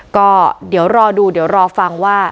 ก็เดี๋ยวรอดูเดี๋ยวรอฟังว่า